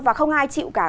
và không ai chịu cả